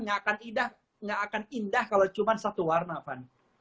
gak akan indah kalau cuma satu warna van